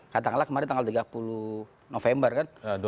katakanlah kemarin tanggal tiga puluh november kan